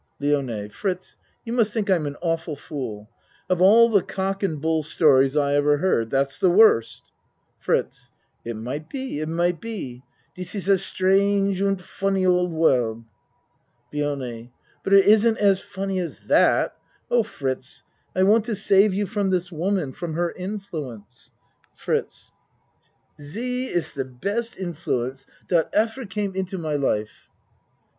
LIONE Fritz, you must think I'm an awful fool. Of all the cock and bull stories I ever heard that's the worst. FRITZ It might it might be. Dis iss a strange und funny old world. LIONE But it isn't as funny as that. Oh, Fritz, I want to save you from this woman, from her in fluence. FRITZ She iss de best influence dot efer came into 56 A MAN'S WORLD my life.